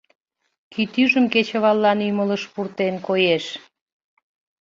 Кӱтӱжым кечываллан ӱмылыш пуртен, коеш.